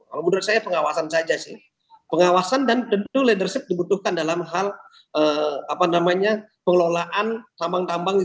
kalau menurut saya pengawasan saja sih pengawasan dan tentu leadership dibutuhkan dalam hal apa namanya pengelolaan tambang tambang